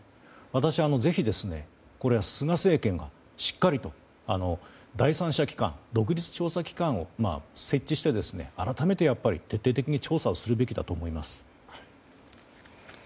私、ぜひ、これは菅政権がしっかりと第三者機関独立調査機関を設置して改めて徹底的に調査をするべきだと思います。